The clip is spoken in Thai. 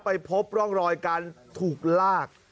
ไปพบร่องรอยการถูกลาก